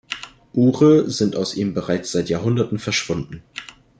Ure sind aus ihm bereits seit Jahrhunderten verschwunden.